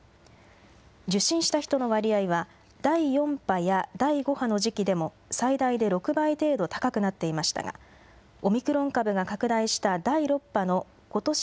受診した人の割合は、第４波や第５波の時期でも最大で６倍程度高くなっていましたが、オミクロン株が拡大した第６波のことし